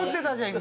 今。